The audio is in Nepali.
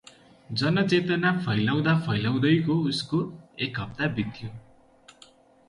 जनचेतना फैलाउँदा फैलाउँदैको उसको एक हप्ता बित्यो ।